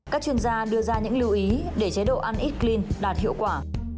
các chuyên gia đưa ra những lưu ý để chế độ ăn ít clean đạt hiệu quả